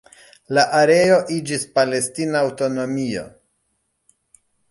La areo iĝis palestina aŭtonomio.